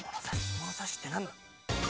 物差しって何だ？